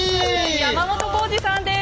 山本耕史さんです。